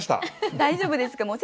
大丈夫ですか？